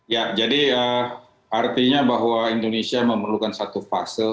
ya jadi artinya bahwa indonesia memerlukan satu fase